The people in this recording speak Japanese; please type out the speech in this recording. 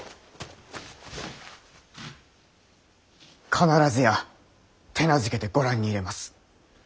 必ずや手なずけてご覧に入れます。